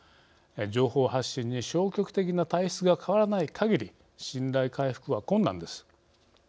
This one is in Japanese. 情報発信に消極的な体質が変わらないかぎり信頼回復は困難です。